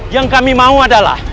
yang kami mau adalah